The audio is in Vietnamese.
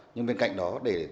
nhưng bên cạnh đó để